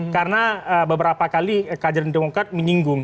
karena beberapa kali keajaran demokrat menyinggung